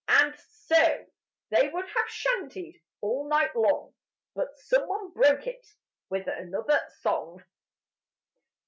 And so they would have chantyd all night long, But some one broke it with another song.